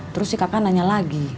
terus si kakak nanya lagi